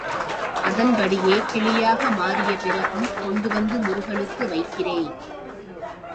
அதன்படியே கிளியாக மாறிய பிறகும் கொண்டு வந்து முருகனுக்கு வைக்கிறேன்.